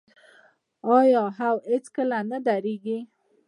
آیا او هیڅکله نه دریږي؟